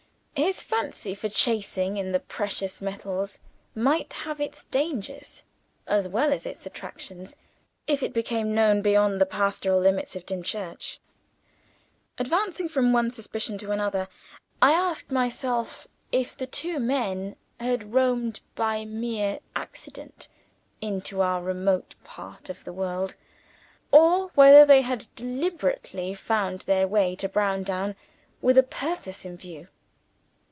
His fancy for chasing in the precious metals might have its dangers, as well as its attractions, if it became known beyond the pastoral limits of Dimchurch. Advancing from one suspicion to another, I asked myself if the two men had roamed by mere accident into our remote part of the world or whether they had deliberately found their way to Browndown with a purpose in view.